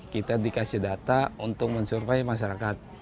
kita dikasih data untuk men survey masyarakat